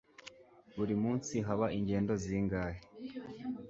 buri munsi haba ingendo zingahe